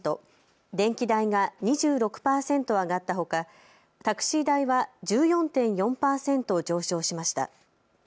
電気代が２６％上がったほかタクシー代は１４．４％上昇しました。